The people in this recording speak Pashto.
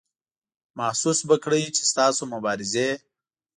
محسوس به کړئ چې ستاسو مبارزې.